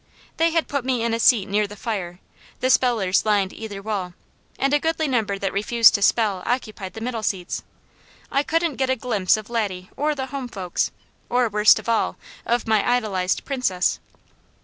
They had put me in a seat near the fire; the spellers lined either wall, and a goodly number that refused to spell occupied the middle seats. I couldn't get a glimpse of Laddie or the home folks, or worst of all, of my idolized Princess.